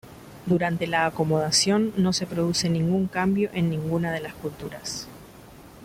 Durante la acomodación no se produce ningún cambio en ninguna de las culturas.